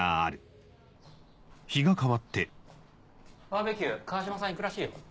バーベキュー川島さん行くらしいよ。